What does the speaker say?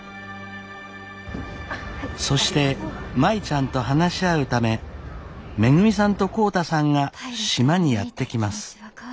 そして舞ちゃんと話し合うためめぐみさんと浩太さんが島にやって来ます。